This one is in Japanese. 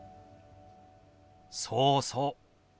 そうそう！